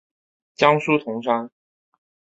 江苏铜山。